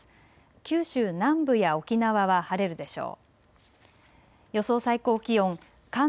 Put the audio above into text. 九州南部や沖縄は晴れるでしょう。